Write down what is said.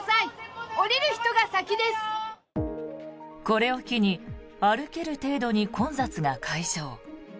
これを機に歩ける程度に混雑が解消。